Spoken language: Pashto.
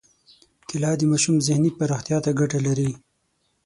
کېله د ماشوم ذهني پراختیا ته ګټه لري.